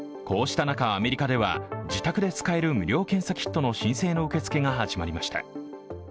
こうした中、アメリカでは自宅で使える無料キットの申請の受け付けが始まりました。